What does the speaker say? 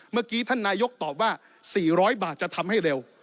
เมื่อกี้ท่านนายกตอบว่า๔๐๐บาทจะทำให้เร็ว